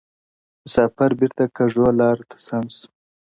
• مسافر بیرته کږو لارو ته سم سو -